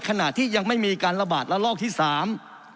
ขณะที่ยังไม่มีการระบาดระลอกที่สาม